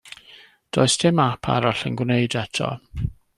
Does dim ap arall yn gwneud eto.